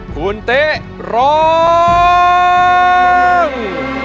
คุณเต๊ะร้อง